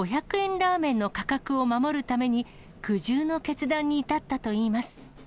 ラーメンの価格を守るために、苦渋の決断に至ったといいます。